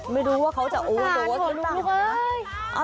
ไม่รู้ว่าเขาจะโอ้โดสหรือเปล่านะ